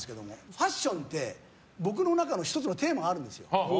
ファッションって僕の中の１つのテーマがあるんですよ。